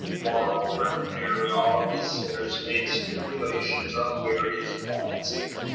Moreover, nearly all of his sitters made stipulations on various points.